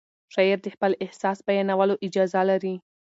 شاعر د خپل احساس بیانولو اجازه لري.